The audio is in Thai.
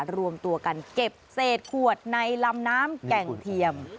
รวมตัวกันเก็บเศษขวดในลำน้ำแก่งเทียม